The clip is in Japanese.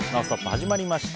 始まりました。